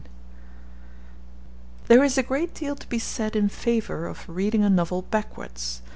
There is a great deal to be said in favour of reading a novel backwards.